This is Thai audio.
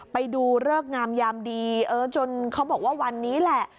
ไปดูเลิกงามยามดีเออจนเขาบอกว่าวันนี้แหละ